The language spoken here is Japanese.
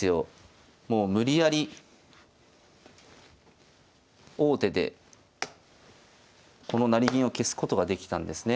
もう無理やり王手でこの成銀を消すことができたんですね。